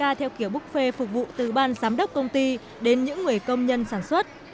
bữa ăn ca theo kiểu buffet phục vụ từ ban giám đốc công ty đến những người công nhân sản xuất